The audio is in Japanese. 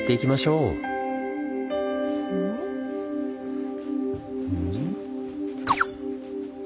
うん？